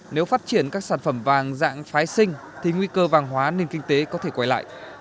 nếu phát triển các sản phẩm vàng dạng phái sinh thì nguy cơ vàng hóa nền kinh tế có thể quay lại